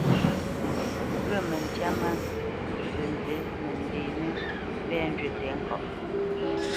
Ghyə̂ məntyâ mâ nzənzí nə nděnə mbɛ̂ njywí tɛ̌ŋkaʼ.